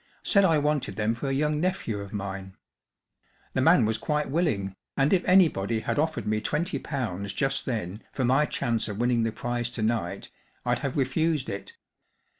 Said I wanted them for a young nephew of mine. The man was quite willing, and if anybody had offered me twenty pounds just then for my chance of winning the prize to night I'd have refused it.